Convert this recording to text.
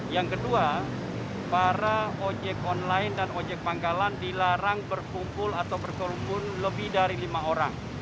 yang kedua para ojek online dan ojek pangkalan dilarang berkumpul atau berkerumun lebih dari lima orang